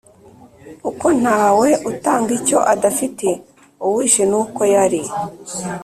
uko ntawe utanga icyo adafite. uwishe ni uko yari